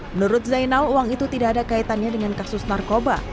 menurut zainal uang itu tidak ada kaitannya dengan kasus narkoba